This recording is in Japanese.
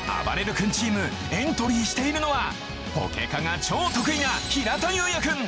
君チームエントリーしているのはポケカが超得意な平田雄也くん。